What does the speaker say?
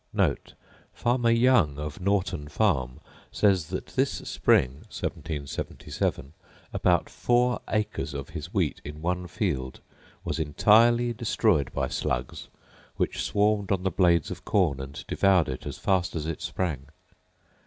Farmer Young, of Norton farm, says that this spring (1777) about four acres of his wheat in one field was entirely destroyed by slugs, which swarmed on the blades of corn, and devoured it as fast as it sprang.